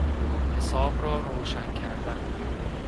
حساب را روشن کردن